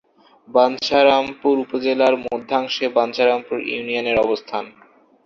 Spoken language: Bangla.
বাঞ্ছারামপুর উপজেলার মধ্যাংশে বাঞ্ছারামপুর ইউনিয়নের অবস্থান।